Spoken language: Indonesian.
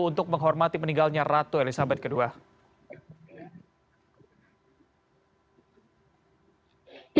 untuk menghormati meninggalnya ratu elizabeth ii